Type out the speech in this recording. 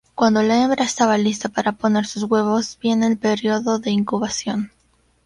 Cuando la hembra esta lista para poner sus huevos viene el periodo de incubación.